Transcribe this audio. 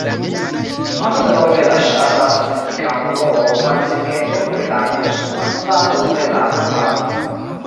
Antaŭnelonge la ŝtata statistika buroo faris enketon pri la konsuma stato de la kamparo.